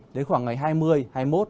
đến khoảng ngày hai mươi ngày hai mươi một